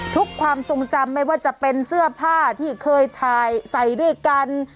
ความทรงจำไม่ว่าจะเป็นเสื้อผ้าที่เคยถ่ายใส่ด้วยกัน